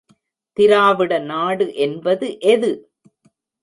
திராவிட நாடு என்பது எது?